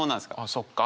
「あそっか」